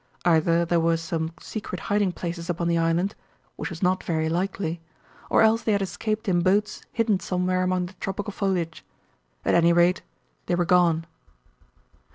Either there were some secret hiding places upon the island (which was not very likely) or else they had escaped in boats hidden somewhere among the tropical foliage. At any rate they were gone.